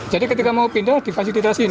jadi ketika mau pindah difasilitasiin